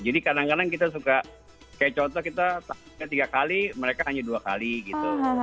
jadi kadang kadang kita suka kayak contoh kita tanya tiga kali mereka tanya dua kali gitu